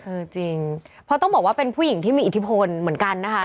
จริงเพราะต้องบอกว่าเป็นผู้หญิงที่มีอิทธิพลเหมือนกันนะคะ